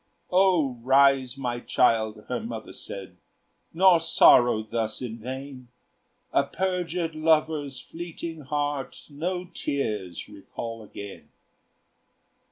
"O rise, my child," her mother said, "Nor sorrow thus in vain: A perjured lover's fleeting heart No tears recall again."